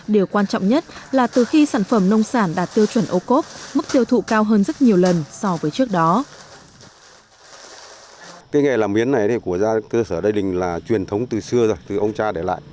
điều quan trọng nhất là từ khi sản phẩm nông sản đạt tiêu chuẩn ô cốp mức tiêu thụ cao hơn rất nhiều lần so với trước đó